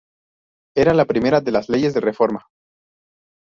Era la primera de las" Leyes de Reforma".